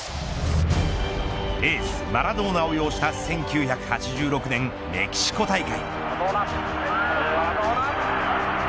エース、マラドーナを擁した１９８６年メキシコ大会。